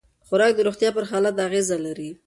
خوراک د روغتیا پر حالت اغېز لري.